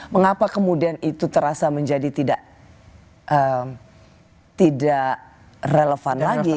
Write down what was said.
mengapa kemudian itu terasa menjadi tidak relevan lagi